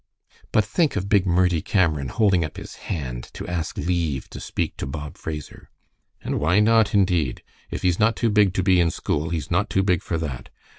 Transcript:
"But think of big Murdie Cameron holding up his hand to ask leave to speak to Bob Fraser!" "And why not indeed? If he's not too big to be in school he's not too big for that.